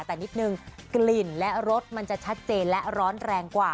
แต่นิดนึงกลิ่นและรสมันจะชัดเจนและร้อนแรงกว่า